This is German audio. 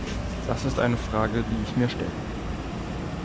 Das ist eine Frage, die ich mir stelle.